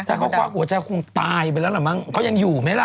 ถ้าเขาควักหัวใจคงตายไปแล้วล่ะมั้งเขายังอยู่ไหมล่ะ